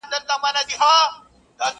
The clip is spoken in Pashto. د فرنګ پر کهاله ځکه شور ما شور سو.!